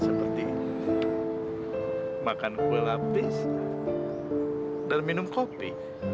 seperti makan kue lapis dan minum kopi